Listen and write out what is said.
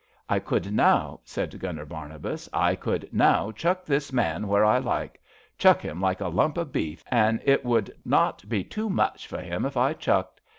I could now,'* said Gunner Barnabas, '* I could now chuck this man where I like. Chuck him like a lump o' beef, an' it would not be too much for him if I chucked.